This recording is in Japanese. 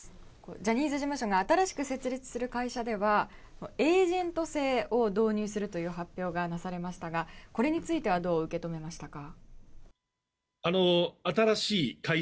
ジャニーズ事務所が新しく設立する会社ではエージェント制を導入するという発表がなされましたがこれについてはどう受け止めましたか？